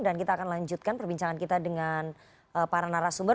dan kita akan lanjutkan perbincangan kita dengan para narasumber